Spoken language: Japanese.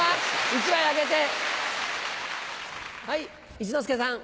一之輔さん。